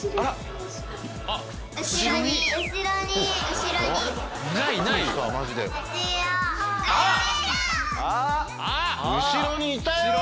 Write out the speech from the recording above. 後ろにいたよ！